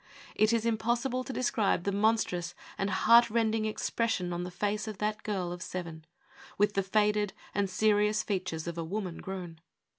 It is impossible to describe the monstrous and heart rending expression on the face of that girl of seven, with the faded and serious features of a woman grown.